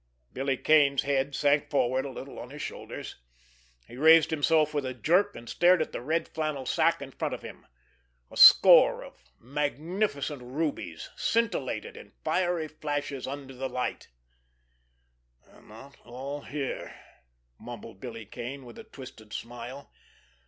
Billy Kane's head sank forward a little on his shoulders. He raised himself with a jerk, and stared at the red flannel sack in front of him. A score of magnificent rubies scintillated in fiery flashes under the light. "They're not all here," mumbled Billy Kane, with a twisted smile.